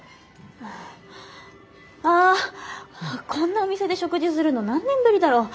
あこんなお店で食事するの何年ぶりだろう。